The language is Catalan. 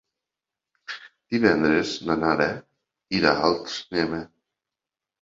Divendres na Nara irà al cinema.